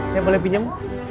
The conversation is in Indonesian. saya boleh pinjem